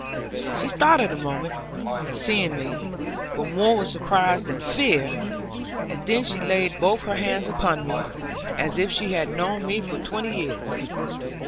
She started a moment, at seeing me, but more with surprise than fear; and then she laid both her hands upon mine, as if she had known me for twenty years.